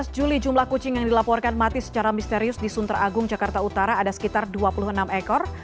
tujuh belas juli jumlah kucing yang dilaporkan mati secara misterius di sunter agung jakarta utara ada sekitar dua puluh enam ekor